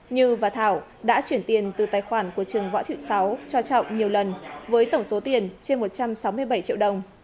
như và thảo đã chuyển tiền từ tài khoản của trường võ thị sáu cho trọng nhiều lần với tổng số tiền trên một trăm sáu mươi bảy triệu đồng